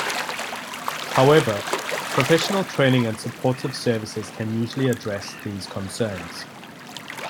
However, professional training and supportive services can usually address these concerns.